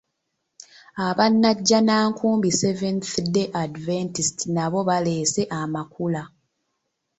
Aba Najjanankumbi Seventh Day Adventist nabo baaleese amakula.